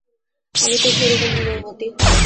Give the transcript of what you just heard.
আমি তো সেইরকম নই মতি।